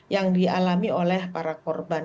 yang dialami oleh para korban